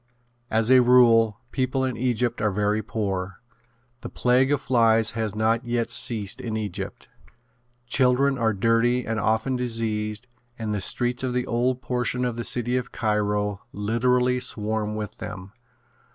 As a rule people in Egypt are very poor. The plague of flies has not yet ceased in Egypt. Children are dirty and often diseased and the streets of the old portion of the city of Cairo literally swarm with them.